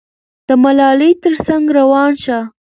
د ملالۍ تر څنګ روان شه.